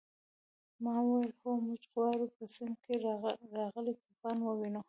ما وویل هو موږ غواړو په سیند کې راغلی طوفان ووینو.